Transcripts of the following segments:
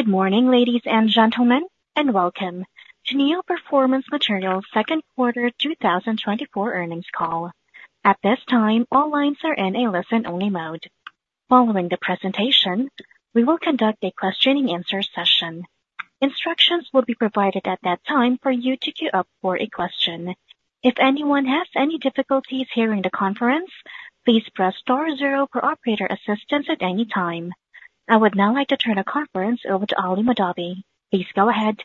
Good morning, ladies and gentlemen, and welcome to Neo Performance Materials' Second Quarter 2024 Earnings Call. At this time, all lines are in a listen-only mode. Following the presentation, we will conduct a question and answer session. Instructions will be provided at that time for you to queue up for a question. If anyone has any difficulties hearing the conference, please press star zero for operator assistance at any time. I would now like to turn the conference over to Ali Mahdavi. Please go ahead.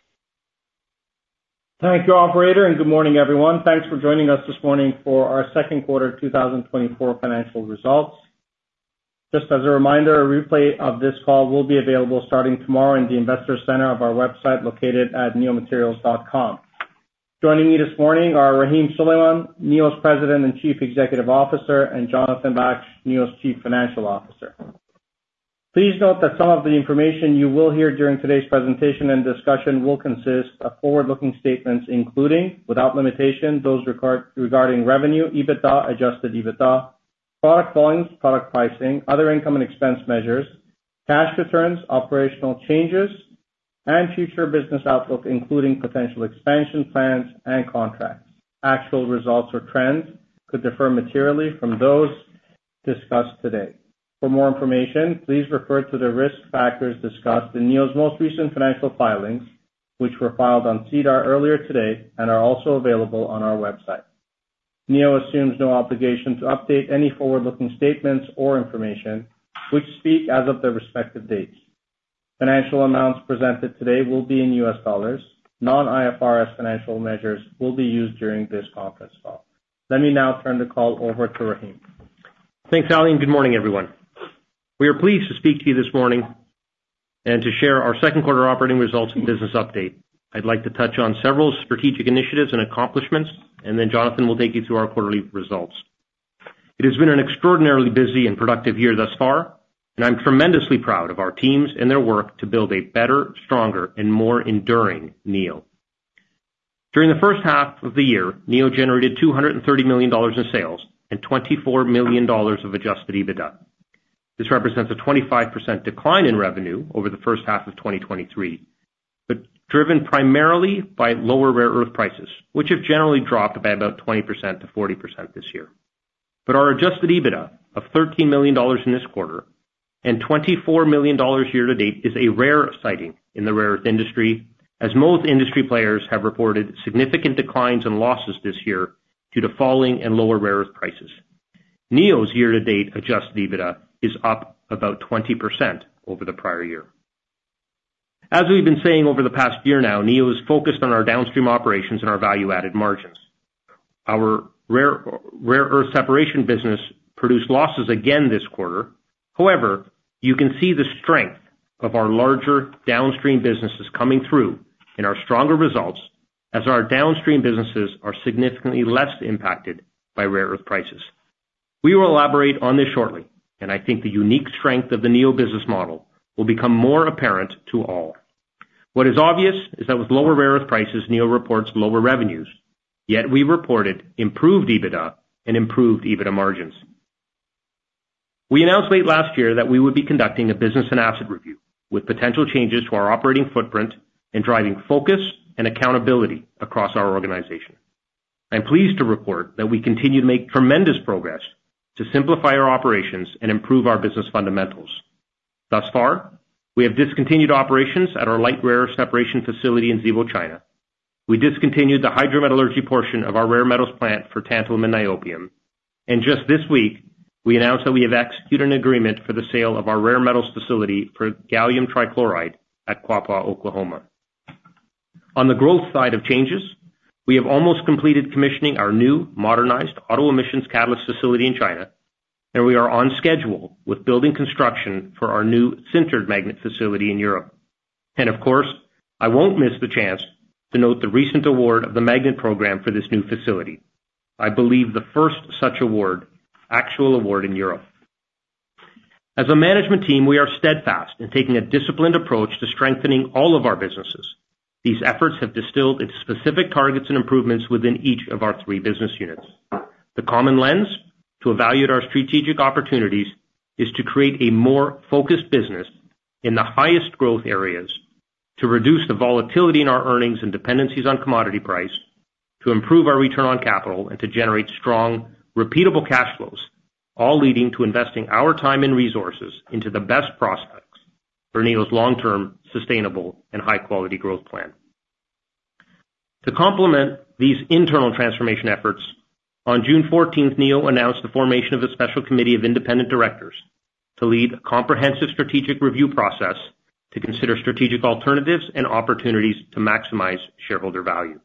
Thank you, operator, and good morning, everyone. Thanks for joining us this morning for our Second Quarter 2024 Financial Results. Just as a reminder, a replay of this call will be available starting tomorrow in the investor center of our website, located at neomaterials.com. Joining me this morning are Rahim Suleman, Neo's President and Chief Executive Officer, and Jonathan Back, Neo's Chief Financial Officer. Please note that some of the information you will hear during today's presentation and discussion will consist of forward-looking statements, including, without limitation, those regarding revenue, EBITDA, Adjusted EBITDA, product volumes, product pricing, other income and expense measures, cash returns, operational changes, and future business outlook, including potential expansion plans and contracts. Actual results or trends could differ materially from those discussed today. For more information, please refer to the risk factors discussed in Neo's most recent financial filings, which were filed on SEDAR earlier today and are also available on our website. Neo assumes no obligation to update any forward-looking statements or information which speak as of their respective dates. Financial amounts presented today will be in U.S. dollars. Non-IFRS financial measures will be used during this conference call. Let me now turn the call over to Rahim. Thanks, Ali, and good morning, everyone. We are pleased to speak to you this morning and to share our second quarter operating results and business update. I'd like to touch on several strategic initiatives and accomplishments, and then Jonathan will take you through our quarterly results. It has been an extraordinarily busy and productive year thus far, and I'm tremendously proud of our teams and their work to build a better, stronger, and more enduring Neo. During the first half of the year, Neo generated $230 million in sales and $24 million of Adjusted EBITDA. This represents a 25% decline in revenue over the first half of 2023, but driven primarily by lower rare earth prices, which have generally dropped by about 20%-40% this year. Our Adjusted EBITDA of $13 million in this quarter and $24 million year to date is a rare sighting in the rare earth industry, as most industry players have reported significant declines and losses this year due to falling and lower rare earth prices. Neo's year-to-date Adjusted EBITDA is up about 20% over the prior year. As we've been saying over the past year now, Neo is focused on our downstream operations and our value-added margins. Our rare, rare earth separation business produced losses again this quarter. However, you can see the strength of our larger downstream businesses coming through in our stronger results as our downstream businesses are significantly less impacted by rare earth prices. We will elaborate on this shortly, and I think the unique strength of the Neo business model will become more apparent to all. What is obvious is that with lower rare earth prices, Neo reports lower revenues, yet we reported improved EBITDA and improved EBITDA margins. We announced late last year that we would be conducting a business and asset review with potential changes to our operating footprint and driving focus and accountability across our organization. I'm pleased to report that we continue to make tremendous progress to simplify our operations and improve our business fundamentals. Thus far, we have discontinued operations at our light rare earth separation facility in Zibo, China. We discontinued the hydrometallurgy portion of our Rare Metals plant for tantalum and niobium, and just this week, we announced that we have executed an agreement for the sale of our Rare Metals facility for gallium trichloride at Quapaw, Oklahoma. On the growth side of changes, we have almost completed commissioning our new modernized auto emissions catalyst facility in China, and we are on schedule with building construction for our new sintered magnet facility in Europe. Of course, I won't miss the chance to note the recent award of the magnet program for this new facility. I believe the first such award, actual award in Europe. As a management team, we are steadfast in taking a disciplined approach to strengthening all of our businesses. These efforts have distilled into specific targets and improvements within each of our three business units. The common lens to evaluate our strategic opportunities is to create a more focused business in the highest growth areas, to reduce the volatility in our earnings and dependencies on commodity price, to improve our return on capital, and to generate strong, repeatable cash flows, all leading to investing our time and resources into the best prospects for Neo's long-term, sustainable, and high-quality growth plan. To complement these internal transformation efforts, on June fourteenth, Neo announced the formation of a special committee of independent directors to lead a comprehensive strategic review process to consider strategic alternatives and opportunities to maximize shareholder value.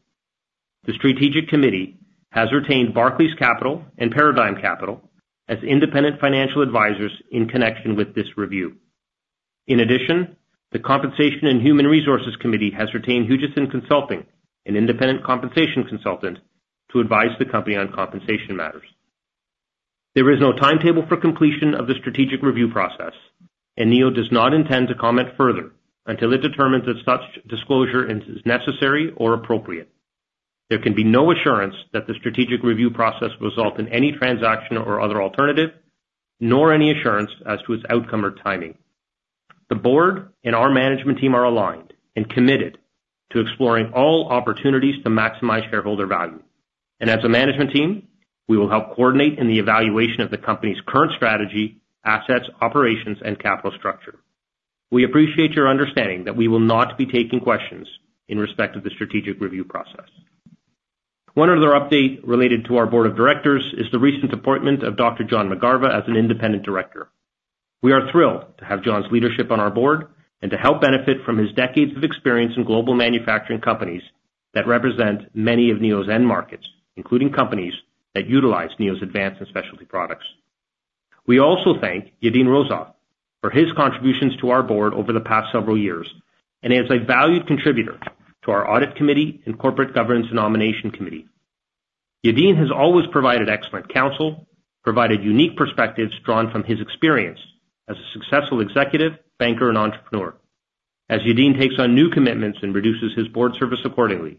The strategic committee has retained Barclays Capital and Paradigm Capital as independent financial advisors in connection with this review. In addition, the Compensation and Human Resources Committee has retained Hugessen Consulting, an independent compensation consultant, to advise the company on compensation matters. There is no timetable for completion of the strategic review process, and Neo does not intend to comment further until it determines that such disclosure is necessary or appropriate. There can be no assurance that the strategic review process will result in any transaction or other alternative, nor any assurance as to its outcome or timing. The board and our management team are aligned and committed to exploring all opportunities to maximize shareholder value. As a management team, we will help coordinate in the evaluation of the company's current strategy, assets, operations, and capital structure. We appreciate your understanding that we will not be taking questions in respect of the strategic review process. One other update related to our board of directors is the recent appointment of Dr. John McGarva as an independent director. We are thrilled to have John's leadership on our board and to help benefit from his decades of experience in global manufacturing companies that represent many of Neo's end markets, including companies that utilize Neo's advanced and specialty products. We also thank Yadin Rozov for his contributions to our board over the past several years, and as a valued contributor to our audit committee and corporate governance nomination committee. Yadin has always provided excellent counsel, provided unique perspectives drawn from his experience as a successful executive, banker, and entrepreneur. As Yadin takes on new commitments and reduces his board service accordingly,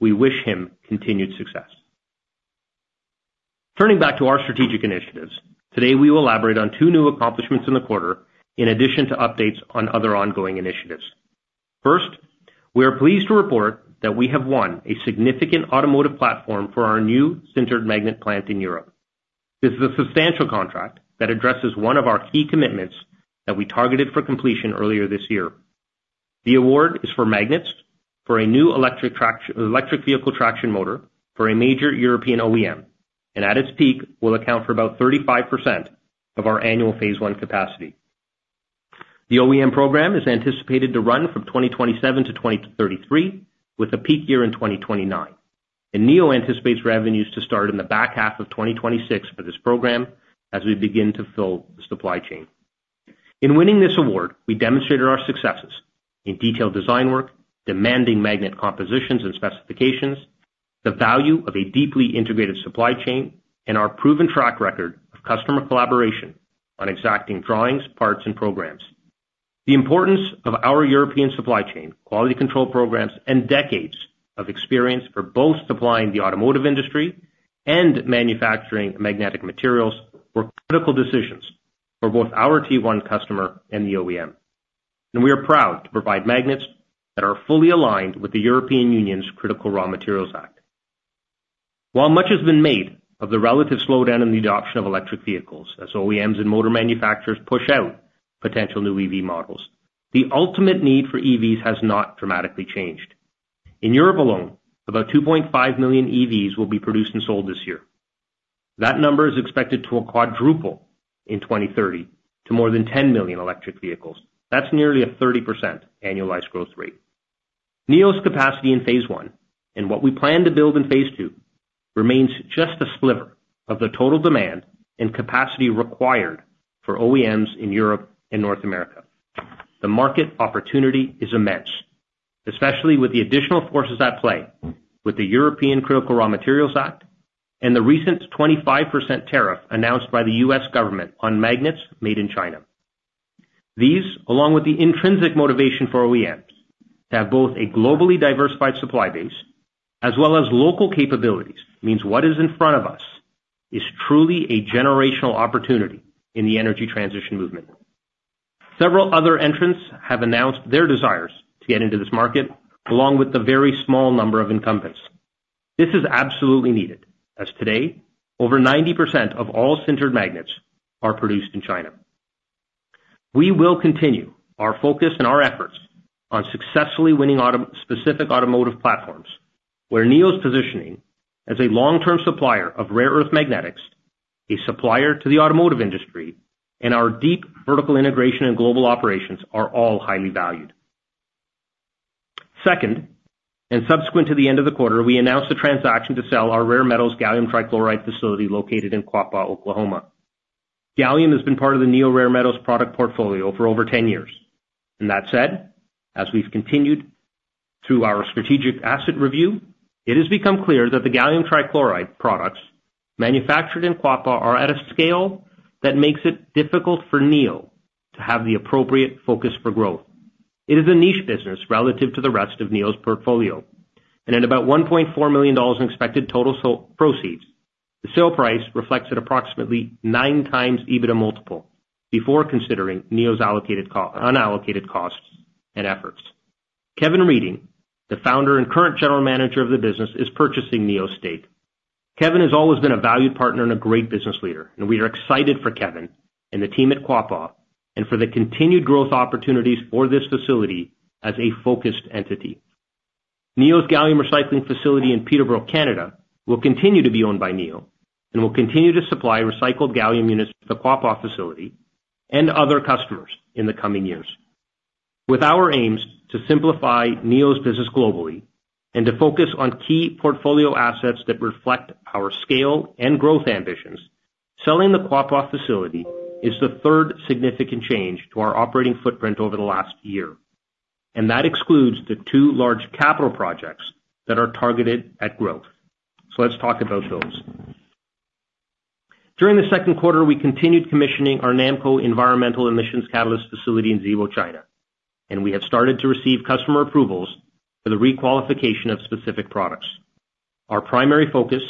we wish him continued success. Turning back to our strategic initiatives, today, we will elaborate on two new accomplishments in the quarter, in addition to updates on other ongoing initiatives. First, we are pleased to report that we have won a significant automotive platform for our new sintered magnet plant in Europe. This is a substantial contract that addresses one of our key commitments that we targeted for completion earlier this year. The award is for magnets for a new electric vehicle traction motor for a major European OEM, and at its peak, will account for about 35% of our annual phase one capacity. The OEM program is anticipated to run from 2027 to 2033, with a peak year in 2029, and Neo anticipates revenues to start in the back half of 2026 for this program as we begin to fill the supply chain. In winning this award, we demonstrated our successes in detailed design work, demanding magnet compositions and specifications, the value of a deeply integrated supply chain, and our proven track record of customer collaboration on exacting drawings, parts, and programs. The importance of our European supply chain, quality control programs, and decades of experience for both supplying the automotive industry and manufacturing magnetic materials were critical decisions for both our Tier One customer and the OEM, and we are proud to provide magnets that are fully aligned with the European Union's Critical Raw Materials Act. While much has been made of the relative slowdown in the adoption of electric vehicles, as OEMs and motor manufacturers push out potential new EV models, the ultimate need for EVs has not dramatically changed. In Europe alone, about 2.5 million EVs will be produced and sold this year. That number is expected to quadruple in 2030 to more than 10 million electric vehicles. That's nearly a 30% annualized growth rate. Neo's capacity in phase one, and what we plan to build in phase two, remains just a sliver of the total demand and capacity required for OEMs in Europe and North America. The market opportunity is immense, especially with the additional forces at play with the European Critical Raw Materials Act and the recent 25% tariff announced by the U.S. government on magnets made in China. These, along with the intrinsic motivation for OEMs, to have both a globally diversified supply base as well as local capabilities, means what is in front of us is truly a generational opportunity in the energy transition movement. Several other entrants have announced their desires to get into this market, along with the very small number of incumbents. This is absolutely needed, as today, over 90% of all sintered magnets are produced in China. We will continue our focus and our efforts on successfully winning auto-specific automotive platforms, where Neo's positioning as a long-term supplier of rare earth magnets, a supplier to the automotive industry, and our deep vertical integration and global operations are all highly valued. Second, and subsequent to the end of the quarter, we announced a transaction to sell our Rare Metals gallium trichloride facility located in Quapaw, Oklahoma. Gallium has been part of the Neo Rare Metals product portfolio for over 10 years. And that said, as we've continued through our strategic asset review, it has become clear that the gallium trichloride products manufactured in Quapaw are at a scale that makes it difficult for Neo to have the appropriate focus for growth. It is a niche business relative to the rest of Neo's portfolio, and at about $1.4 million in expected total proceeds, the sale price reflects an approximately 9x EBITDA multiple before considering Neo's allocated and unallocated costs and efforts. Kevin Redding, the founder and current general manager of the business, is purchasing Neo's stake. Kevin has always been a valued partner and a great business leader, and we are excited for Kevin and the team at Quapaw, and for the continued growth opportunities for this facility as a focused entity. Neo's gallium recycling facility in Peterborough, Canada, will continue to be owned by Neo and will continue to supply recycled gallium units to the Quapaw facility and other customers in the coming years. With our aims to simplify Neo’s business globally and to focus on key portfolio assets that reflect our scale and growth ambitions, selling the Quapaw facility is the third significant change to our operating footprint over the last year, and that excludes the two large capital projects that are targeted at growth. So let’s talk about those. During the second quarter, we continued commissioning our NAMCO environmental emissions catalyst facility in Zibo, China, and we have started to receive customer approvals for the requalification of specific products. Our primary focus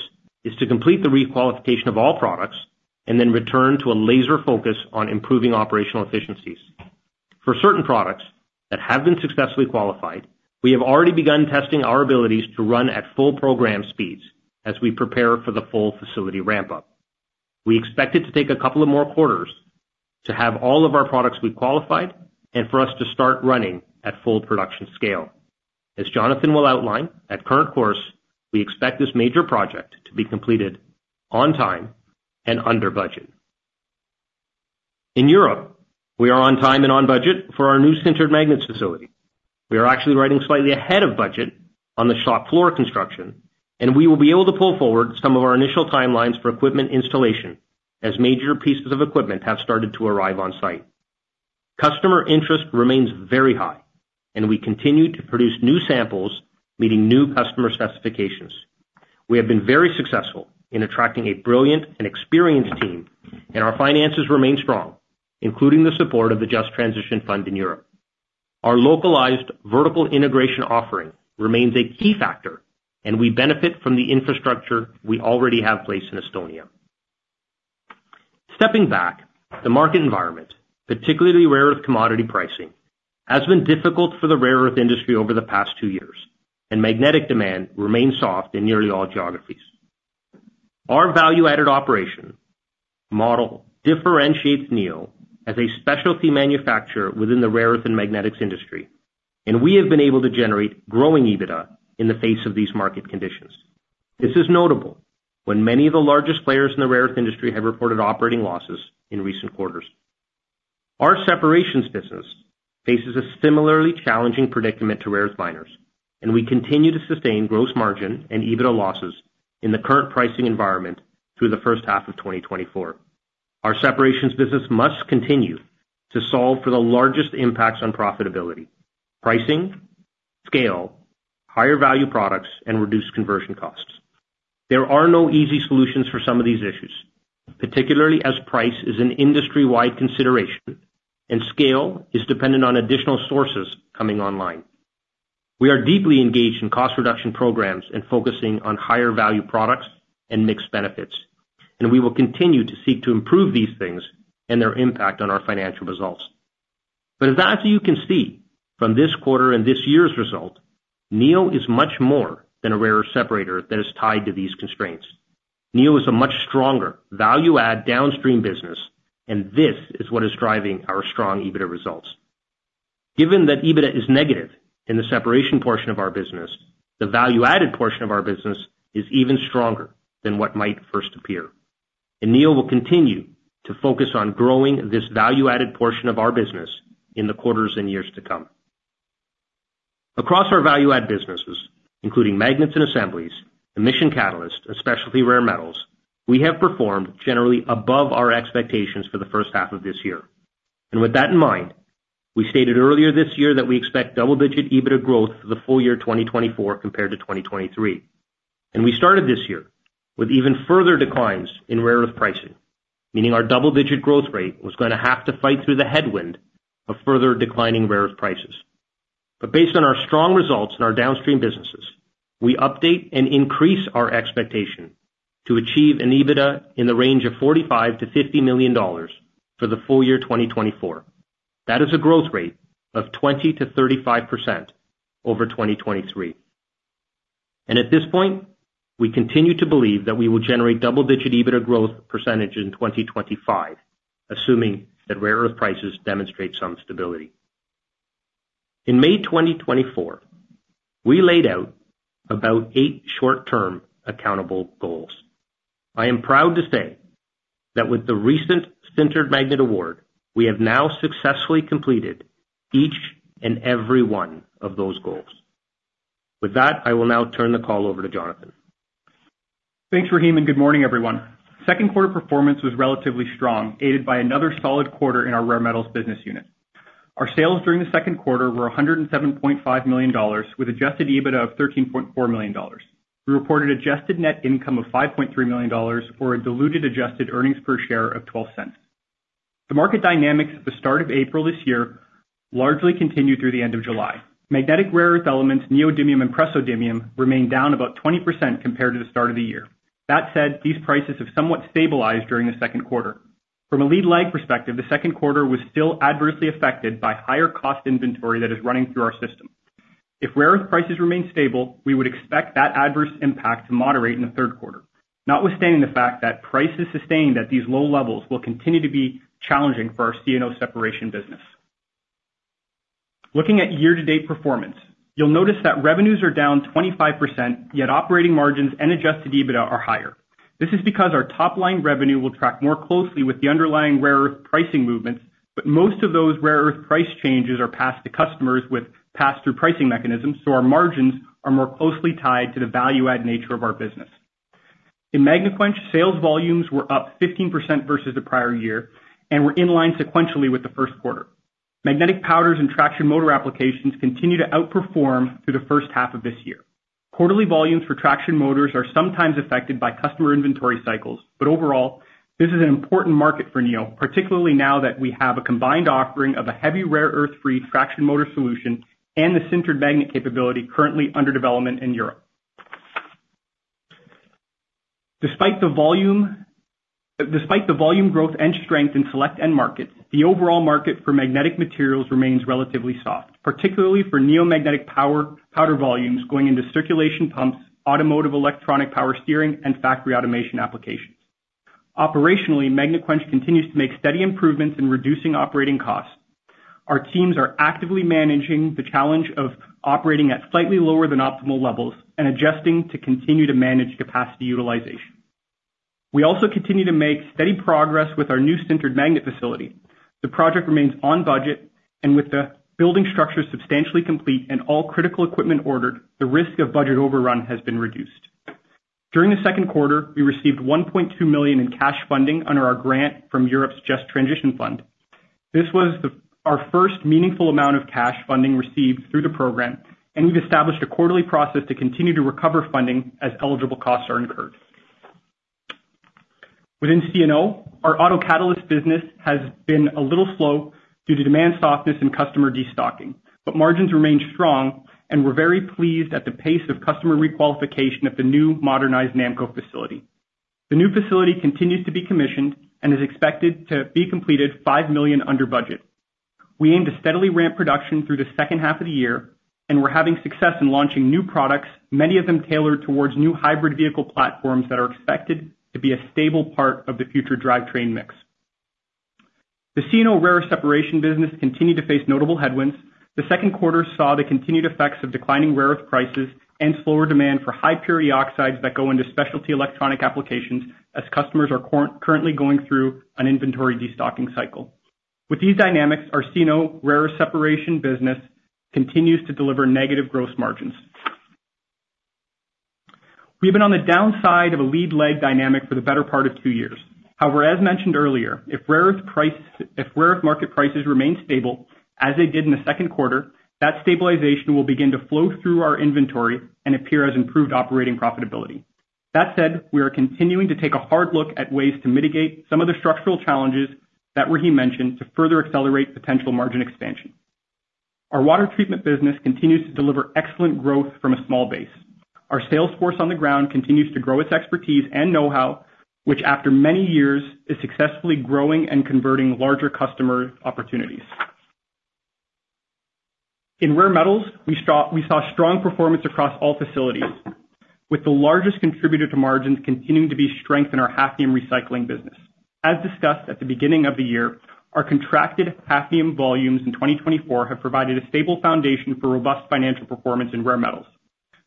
is to complete the requalification of all products and then return to a laser focus on improving operational efficiencies. For certain products that have been successfully qualified, we have already begun testing our abilities to run at full program speeds as we prepare for the full facility ramp-up. We expect it to take a couple of more quarters to have all of our products requalified and for us to start running at full production scale. As Jonathan will outline, at current course, we expect this major project to be completed on time and under budget. In Europe, we are on time and on budget for our new sintered magnets facility. We are actually running slightly ahead of budget on the shop floor construction, and we will be able to pull forward some of our initial timelines for equipment installation as major pieces of equipment have started to arrive on site. Customer interest remains very high, and we continue to produce new samples meeting new customer specifications. We have been very successful in attracting a brilliant and experienced team, and our finances remain strong, including the support of the Just Transition Fund in Europe. Our localized vertical integration offering remains a key factor, and we benefit from the infrastructure we already have in place in Estonia. Stepping back, the market environment, particularly rare earth commodity pricing, has been difficult for the rare earth industry over the past two years, and magnetic demand remains soft in nearly all geographies. Our value-added operation model differentiates Neo as a specialty manufacturer within the rare earth and magnetics industry, and we have been able to generate growing EBITDA in the face of these market conditions. This is notable when many of the largest players in the rare earth industry have reported operating losses in recent quarters. Our separations business faces a similarly challenging predicament to rare earth miners, and we continue to sustain gross margin and EBITDA losses in the current pricing environment through the first half of 2024. Our separations business must continue to solve for the largest impacts on profitability, pricing, scale, higher value products, and reduced conversion costs. There are no easy solutions for some of these issues, particularly as price is an industry-wide consideration and scale is dependent on additional sources coming online. We are deeply engaged in cost reduction programs and focusing on higher value products and mix benefits, and we will continue to seek to improve these things and their impact on our financial results. But as you can see from this quarter and this year's result, Neo is much more than a rare separator that is tied to these constraints. Neo is a much stronger value add downstream business, and this is what is driving our strong EBITDA results. Given that EBITDA is negative in the separation portion of our business, the value-added portion of our business is even stronger than what might first appear. Neo will continue to focus on growing this value-added portion of our business in the quarters and years to come. Across our value-add businesses, including magnets and assemblies, emission catalysts, and specialty Rare Metals, we have performed generally above our expectations for the first half of this year. With that in mind, we stated earlier this year that we expect double-digit EBITDA growth for the full year 2024 compared to 2023. We started this year with even further declines in rare earth pricing, meaning our double-digit growth rate was going to have to fight through the headwind of further declining rare earth prices. But based on our strong results in our downstream businesses, we update and increase our expectation to achieve an EBITDA in the range of $45 million-$50 million for the full year 2024. That is a growth rate of 20%-35% over 2023. At this point, we continue to believe that we will generate double-digit EBITDA growth % in 2025, assuming that rare earth prices demonstrate some stability. In May 2024, we laid out about eight short-term accountable goals. I am proud to say that with the recent sintered magnet award, we have now successfully completed each and every one of those goals. With that, I will now turn the call over to Jonathan. Thanks, Rahim, and good morning, everyone. Second quarter performance was relatively strong, aided by another solid quarter in our Rare Metals business unit. Our sales during the second quarter were $107.5 million, with Adjusted EBITDA of $13.4 million. We reported Adjusted net income of $5.3 million, or a diluted Adjusted earnings per share of $0.12. The market dynamics at the start of April this year largely continued through the end of July. Magnetic rare earth elements, neodymium and praseodymium, remained down about 20% compared to the start of the year. That said, these prices have somewhat stabilized during the second quarter. From a lead lag perspective, the second quarter was still adversely affected by higher cost inventory that is running through our system. If rare earth prices remain stable, we would expect that adverse impact to moderate in the third quarter, notwithstanding the fact that prices sustained at these low levels will continue to be challenging for our C&O separation business. Looking at year-to-date performance, you'll notice that revenues are down 25%, yet operating margins and Adjusted EBITDA are higher. This is because our top-line revenue will track more closely with the underlying rare earth pricing movements, but most of those rare earth price changes are passed to customers with pass-through pricing mechanisms, so our margins are more closely tied to the value-add nature of our business. In Magnequench, sales volumes were up 15% versus the prior year and were in line sequentially with the first quarter. Magnetic powders and traction motor applications continue to outperform through the first half of this year. Quarterly volumes for traction motors are sometimes affected by customer inventory cycles, but overall, this is an important market for Neo, particularly now that we have a combined offering of a heavy rare earth-free traction motor solution and the sintered magnet capability currently under development in Europe. Despite the volume, despite the volume growth and strength in select end markets, the overall market for magnetic materials remains relatively soft, particularly for Neo magnetic powder volumes going into circulation pumps, automotive electronic power steering, and factory automation applications. Operationally, Magnequench continues to make steady improvements in reducing operating costs. Our teams are actively managing the challenge of operating at slightly lower than optimal levels and adjusting to continue to manage capacity utilization. We also continue to make steady progress with our new sintered magnet facility. The project remains on budget, and with the building structure substantially complete and all critical equipment ordered, the risk of budget overrun has been reduced. During the second quarter, we received 1.2 million in cash funding under our grant from Europe's Just Transition Fund. This was our first meaningful amount of cash funding received through the program, and we've established a quarterly process to continue to recover funding as eligible costs are incurred. Within C&O, our auto catalyst business has been a little slow due to demand softness and customer destocking, but margins remain strong, and we're very pleased at the pace of customer requalification at the new modernized NAMCO facility. The new facility continues to be commissioned and is expected to be completed $5 million under budget. We aim to steadily ramp production through the second half of the year, and we're having success in launching new products, many of them tailored towards new hybrid vehicle platforms that are expected to be a stable part of the future drivetrain mix. The C&O rare separation business continued to face notable headwinds. The second quarter saw the continued effects of declining rare earth prices and slower demand for high-purity oxides that go into specialty electronic applications, as customers are currently going through an inventory destocking cycle. With these dynamics, our C&O rare separation business continues to deliver negative gross margins. We've been on the downside of a lead-lag dynamic for the better part of two years. However, as mentioned earlier, if rare earth market prices remain stable, as they did in the second quarter, that stabilization will begin to flow through our inventory and appear as improved operating profitability. That said, we are continuing to take a hard look at ways to mitigate some of the structural challenges that Rahim mentioned to further accelerate potential margin expansion. Our water treatment business continues to deliver excellent growth from a small base. Our sales force on the ground continues to grow its expertise and know-how, which after many years, is successfully growing and converting larger customer opportunities. In Rare Metals, we saw, we saw strong performance across all facilities, with the largest contributor to margins continuing to be strength in our hafnium recycling business. As discussed at the beginning of the year, our contracted hafnium volumes in 2024 have provided a stable foundation for robust financial performance in Rare Metals.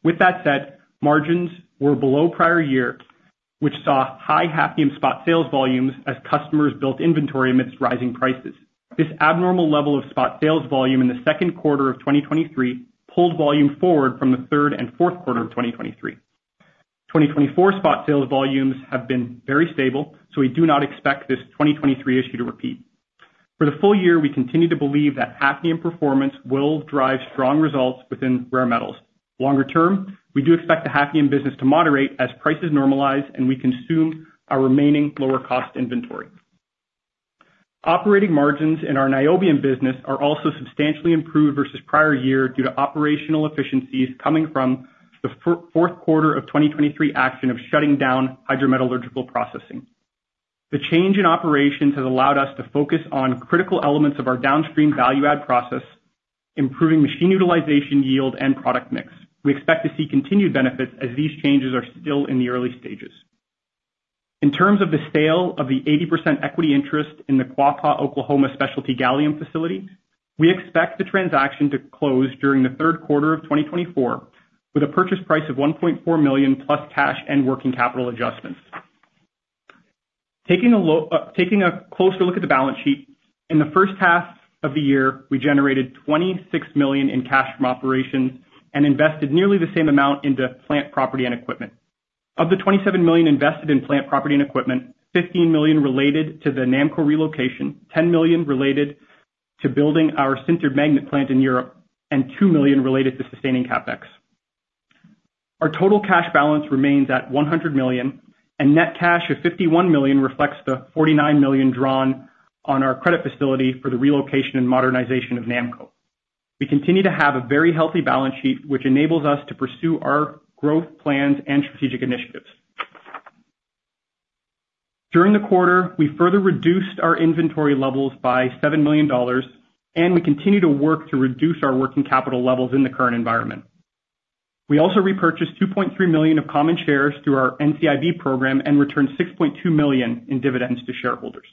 With that said, margins were below prior year, which saw high hafnium spot sales volumes as customers built inventory amidst rising prices. This abnormal level of spot sales volume in the second quarter of 2023 pulled volume forward from the third and fourth quarter of 2023. 2024 spot sales volumes have been very stable, so we do not expect this 2023 issue to repeat. For the full year, we continue to believe that hafnium performance will drive strong results within Rare Metals. Longer term, we do expect the hafnium business to moderate as prices normalize and we consume our remaining lower-cost inventory. Operating margins in our niobium business are also substantially improved versus prior year due to operational efficiencies coming from the fourth quarter of 2023 action of shutting down hydrometallurgical processing. The change in operations has allowed us to focus on critical elements of our downstream value add process, improving machine utilization yield and product mix. We expect to see continued benefits as these changes are still in the early stages. In terms of the sale of the 80% equity interest in the Quapaw, Oklahoma, specialty gallium facility, we expect the transaction to close during the third quarter of 2024, with a purchase price of $1.4 million plus cash and working capital adjustments. Taking a closer look at the balance sheet, in the first half of the year, we generated $26 million in cash from operations and invested nearly the same amount into plant, property, and equipment. Of the $27 million invested in plant, property, and equipment, $15 million related to the NAMCO relocation, $10 million related to building our sintered magnet plant in Europe, and $2 million related to sustaining CapEx. Our total cash balance remains at $100 million, and net cash of $51 million reflects the $49 million drawn on our credit facility for the relocation and modernization of NAMCO. We continue to have a very healthy balance sheet, which enables us to pursue our growth plans and strategic initiatives. During the quarter, we further reduced our inventory levels by $7 million, and we continue to work to reduce our working capital levels in the current environment. We also repurchased 2.3 million of common shares through our NCIB program and returned $6.2 million in dividends to shareholders.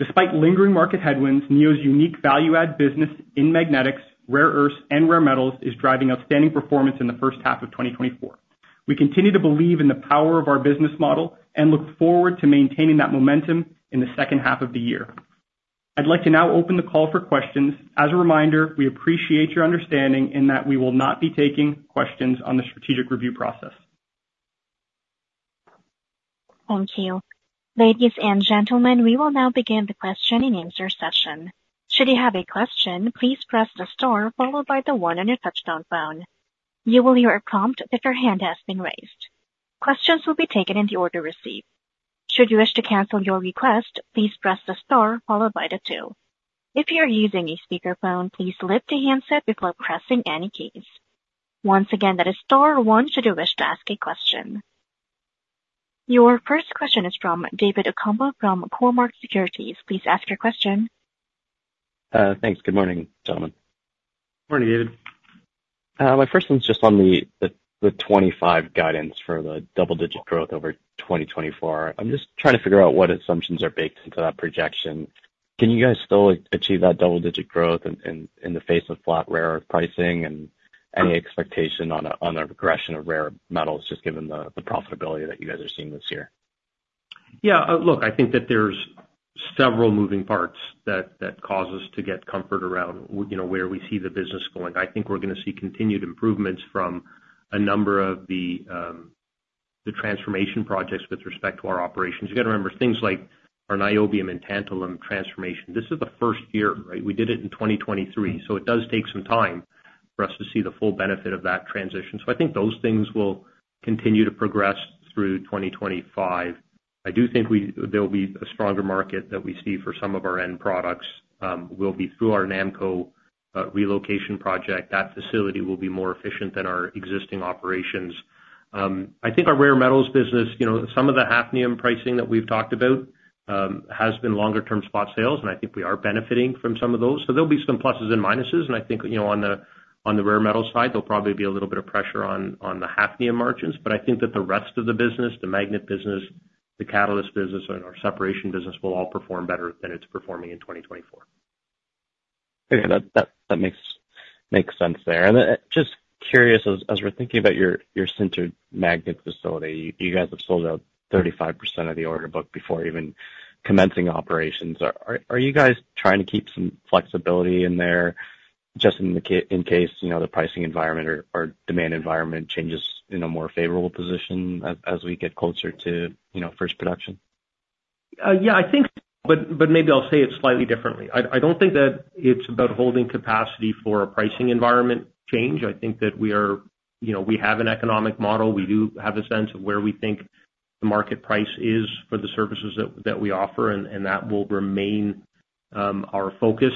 Despite lingering market headwinds, Neo's unique value add business in magnetics, rare earths, and Rare Metals is driving outstanding performance in the first half of 2024. We continue to believe in the power of our business model and look forward to maintaining that momentum in the second half of the year. I'd like to now open the call for questions. As a reminder, we appreciate your understanding in that we will not be taking questions on the strategic review process.... Thank you. Ladies and gentlemen, we will now begin the question and answer session. Should you have a question, please press the star followed by the one on your touchtone phone. You will hear a prompt if your hand has been raised. Questions will be taken in the order received. Should you wish to cancel your request, please press the star followed by the two. If you're using a speakerphone, please lift the handset before pressing any keys. Once again, that is star one should you wish to ask a question. Your first question is from David Ocampo from Cormark Securities. Please ask your question. Thanks. Good morning, gentlemen. Morning, David. My first one's just on the 25 guidance for the double-digit growth over 2024. I'm just trying to figure out what assumptions are baked into that projection. Can you guys still achieve that double-digit growth in the face of flat rare pricing and any expectation on a progression of Rare Metals, just given the profitability that you guys are seeing this year? Yeah, look, I think that there's several moving parts that cause us to get comfort around, you know, where we see the business going. I think we're gonna see continued improvements from a number of the transformation projects with respect to our operations. You've got to remember, things like our niobium and tantalum transformation, this is the first year, right? We did it in 2023, so it does take some time for us to see the full benefit of that transition. So I think those things will continue to progress through 2025. I do think there will be a stronger market that we see for some of our end products will be through our NAMCO relocation project. That facility will be more efficient than our existing operations. I think our Rare Metals business, you know, some of the hafnium pricing that we've talked about has been longer term spot sales, and I think we are benefiting from some of those. So there'll be some pluses and minuses, and I think, you know, on the, on the Rare Metals side, there'll probably be a little bit of pressure on, on the hafnium margins. But I think that the rest of the business, the magnet business, the catalyst business, and our separation business, will all perform better than it's performing in 2024. Okay, that makes sense there. And just curious, as we're thinking about your sintered magnet facility, you guys have sold out 35% of the order book before even commencing operations. Are you guys trying to keep some flexibility in there just in case, you know, the pricing environment or demand environment changes in a more favorable position as we get closer to, you know, first production? Yeah, I think, but, but maybe I'll say it slightly differently. I don't think that it's about holding capacity for a pricing environment change. I think that we are. You know, we have an economic model. We do have a sense of where we think the market price is for the services that we offer, and that will remain our focus.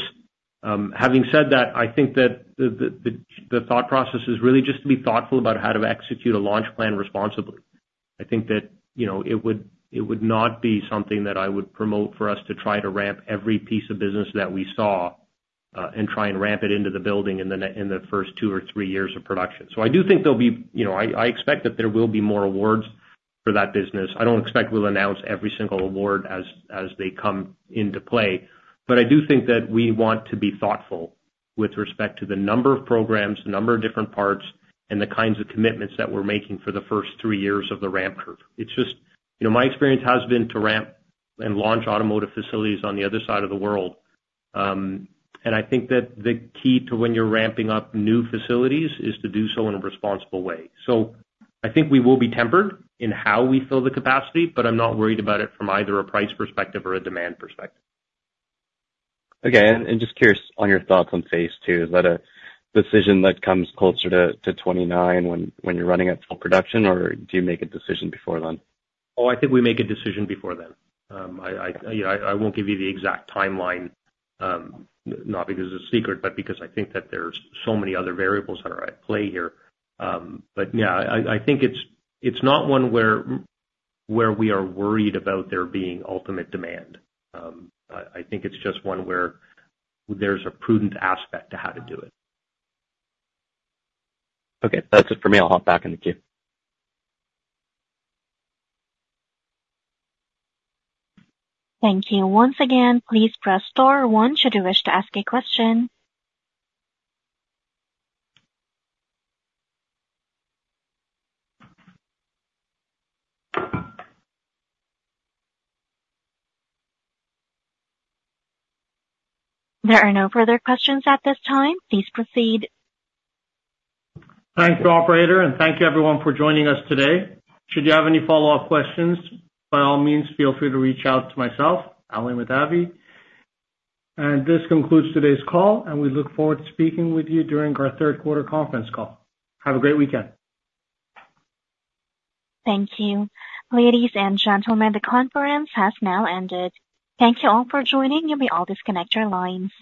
Having said that, I think that the thought process is really just to be thoughtful about how to execute a launch plan responsibly. I think that, you know, it would not be something that I would promote for us to try to ramp every piece of business that we saw, and try and ramp it into the building in the first two or three years of production. So I do think there'll be, you know, I expect that there will be more awards for that business. I don't expect we'll announce every single award as they come into play, but I do think that we want to be thoughtful with respect to the number of programs, the number of different parts, and the kinds of commitments that we're making for the first three years of the ramp curve. It's just, you know, my experience has been to ramp and launch automotive facilities on the other side of the world, and I think that the key to when you're ramping up new facilities is to do so in a responsible way. So I think we will be tempered in how we fill the capacity, but I'm not worried about it from either a price perspective or a demand perspective. Okay. And just curious on your thoughts on phase two. Is that a decision that comes closer to 2029 when you're running at full production, or do you make a decision before then? Oh, I think we make a decision before then. You know, I won't give you the exact timeline, not because it's a secret, but because I think that there's so many other variables that are at play here. But yeah, I think it's not one where we are worried about there being ultimate demand. I think it's just one where there's a prudent aspect to how to do it. Okay. That's it for me. I'll hop back in the queue. Thank you. Once again, please press star one should you wish to ask a question. There are no further questions at this time. Please proceed. Thanks, operator, and thank you everyone for joining us today. Should you have any follow-up questions, by all means, feel free to reach out to myself, Ali Mahdavi. And this concludes today's call, and we look forward to speaking with you during our third quarter conference call. Have a great weekend. Thank you. Ladies and gentlemen, the conference has now ended. Thank you all for joining. You may all disconnect your lines.